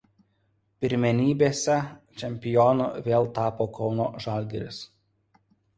Pirmenybėse čempionu vėl tapo Kauno „Žalgiris“.